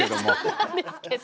そうなんですけど。